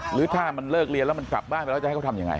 หรือถ้ามันเลิกเรียนแล้วมันกลับบ้านไปแล้วจะให้เขาทำยังไง